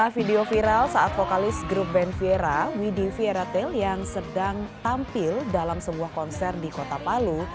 video viral saat vokalis grup band viera widhi vieratail yang sedang tampil dalam sebuah konser di kota palu